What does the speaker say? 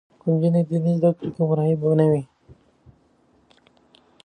که نجونې دین زده کړي نو ګمراهي به نه وي.